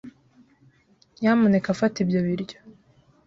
Nyamuneka fata ibyo biryo.